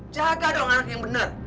jaga dong anak yang benar